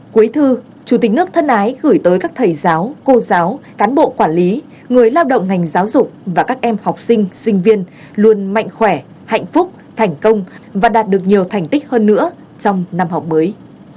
cuối thư chủ tịch nước thân ái gửi tới các thầy giáo cô giáo cán bộ quản lý người lao động ngành giáo dục và các em học sinh sinh viên luôn mạnh khỏe hạnh phúc thành công và đạt được nhiều thành tích hơn nữa trong năm học mới